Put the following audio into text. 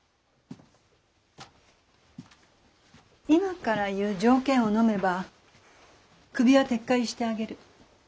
今から言う条件をのめばクビは撤回してあげる。